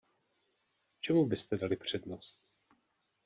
Čemu byste dali přednost?